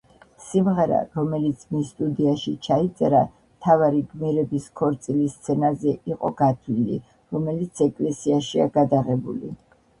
სიმღერა, რომელიც მის სტუდიაში ჩაიწერა, მთავარი გმირების ქორწილის სცენაზე იყო გათვლილი, რომელიც ეკლესიაშია გადაღებული.